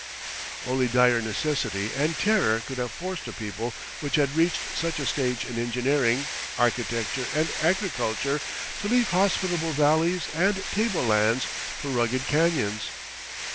Only dire necessity and terror could have forced a people which had reached such a stage in engineering, architecture, and agriculture, to leave hospitable valleys and tablelands for rugged canyons.